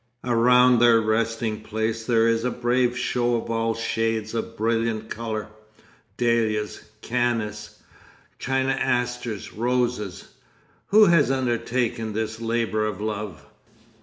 Around their resting place there is a brave show of all shades of brilliant colour, dahlias, cannas, China asters, roses. Who has undertaken this labour of love?